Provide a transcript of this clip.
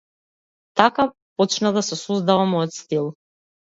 Така почна да се создава мојот стил.